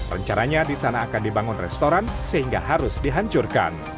rencananya di sana akan dibangun restoran sehingga harus dihancurkan